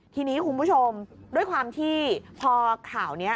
ทีนี้คุณผู้ชมด้วยความที่พอข่าวนี้